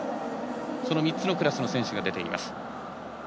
その３つのクラスの選手が出ています。